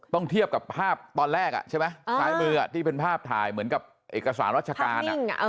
เทียบกับภาพตอนแรกใช่ไหมซ้ายมือที่เป็นภาพถ่ายเหมือนกับเอกสารรัชการ